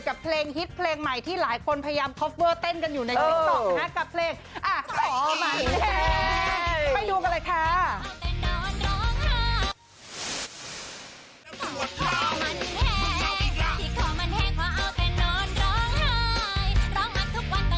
เพลงฮิตเพลงใหม่ที่หลายคนพยายามคอฟเวอร์เต้นกันอยู่ในติ๊กต๊อกนะคะกับเพลง